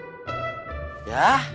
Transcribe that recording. tuh tis udah